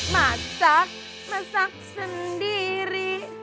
masak masak sendiri